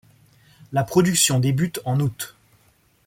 La production débute en août.